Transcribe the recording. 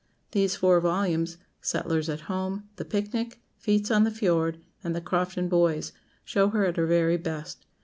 These four volumes, "Settlers at Home," "The Picnic," "Feats on the Fiord," and "The Crofton Boys," show her at her very best.